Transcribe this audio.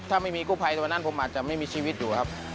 ถ้าไม่มีกู้ภัยตอนนั้นผมอาจจะไม่มีชีวิตอยู่ครับ